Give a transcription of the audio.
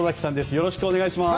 よろしくお願いします。